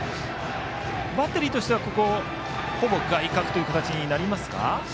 バッテリーとしてはほぼ外角という形でしょうか。